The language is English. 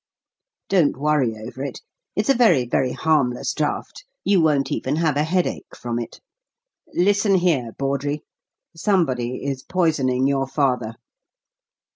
Don't worry over it. It's a very, very harmless draught; you won't even have a headache from it. Listen here, Bawdrey. Somebody is poisoning your father."